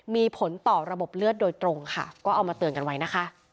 มีผลต่อระบบเลือดโดยตรงค่ะก็เอามาเตือนกันไว้นะคะ